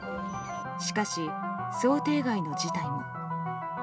しかし、想定外の事態も。